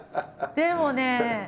でもね